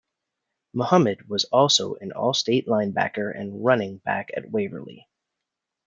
Muhammad was also an all-state linebacker and running back at Waverly.